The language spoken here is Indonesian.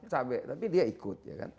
cabe tapi dia ikut